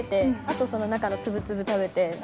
あとその中のツブツブ食べて。